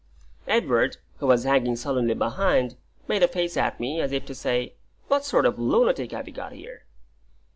Edward, who was hanging sullenly behind, made a face at me, as if to say, "What sort of lunatic have we got here?"